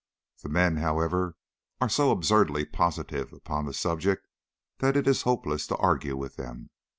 The men, however, are so absurdly positive upon the subject that it is hopeless to argue with them.